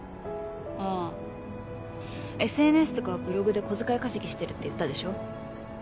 ああＳＮＳとかブログで小遣い稼ぎしてるって言ったでしょ。